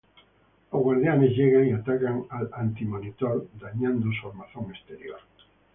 Los Guardianes llegan y atacan al Antimonitor, dañando su armazón exterior.